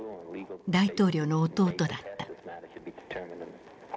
大統領の弟だった。